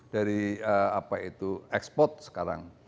dari apa itu ekspor sekarang